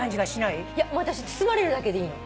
いやもう私包まれるだけでいいの。